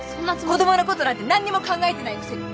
子供のことなんて何にも考えてないくせに。